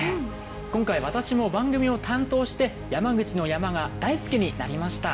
今回私も番組を担当して山口の山が大好きになりました。